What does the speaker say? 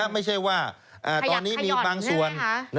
ไม่ใช่ว่าตอนนี้มีบางส่วน